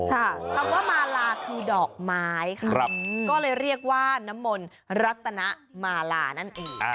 คำว่ามาลาคือดอกไม้ค่ะก็เลยเรียกว่าน้ำมนต์รัตนมาลานั่นเอง